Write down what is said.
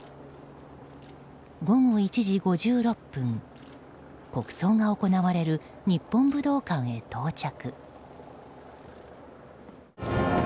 午後１時５６分国葬が行われる日本武道館へ到着。